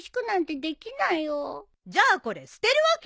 じゃあこれ捨てるわけ！？